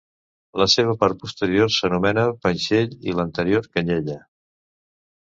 La seva part posterior s'anomena panxell i l'anterior canyella.